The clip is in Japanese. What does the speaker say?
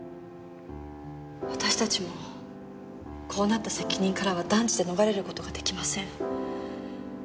私たちもこうなった責任からは断じて逃れる事ができません。